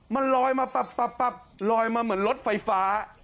มันลอยมาปับลอยมาเหมือนรถไฟฟ้า